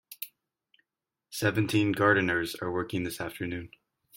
Seventeen gardeners are working this afternoon.